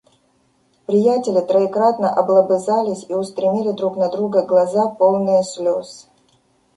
Приятели троекратно облобызались и устремили друг на друга глаза, полные слёз.